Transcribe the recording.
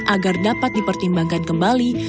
agar dapat dipertimbangkan kembali